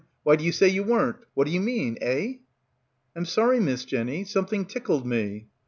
Why do you say you weren't? What do you mean? Eh?" "I'm sorry, Miss Jenny. Something tickled me."